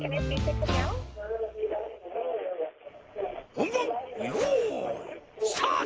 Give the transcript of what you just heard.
ほんばんよういスタート！